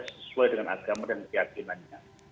sesuai dengan agama dan keyakinannya